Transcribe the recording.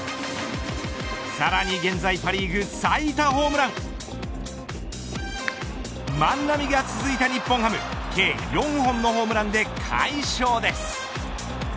さらに現在パ・リーグ最多ホームラン万波が続いた日本ハム計４本のホームランで快勝です。